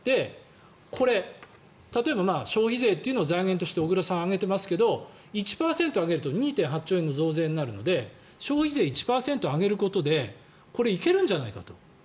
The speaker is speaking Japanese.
これ、例えば消費税というのを財源として小黒さんは挙げていますが１％上げると２．８兆円の増税になるので消費税１％上げることでこれ、いけるんじゃないかと。